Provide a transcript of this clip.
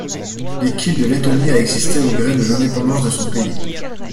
L'équipe de Lettonie a existé au gré de l'indépendance de son pays.